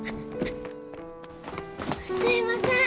すいません。